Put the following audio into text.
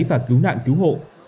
và cứu nạn cứu hộ